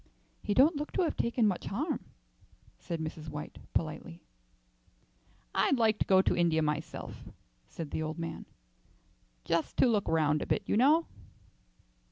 "He don't look to have taken much harm," said Mrs. White, politely. "I'd like to go to India myself," said the old man, "just to look round a bit, you know."